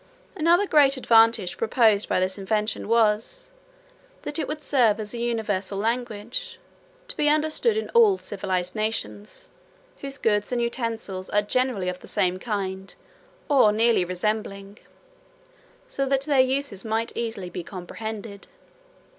Another great advantage proposed by this invention was, that it would serve as a universal language, to be understood in all civilised nations, whose goods and utensils are generally of the same kind, or nearly resembling, so that their uses might easily be comprehended.